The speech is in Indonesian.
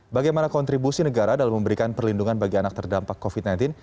bagaimana kontribusi negara dalam memberikan perlindungan bagi anak terdampak covid sembilan belas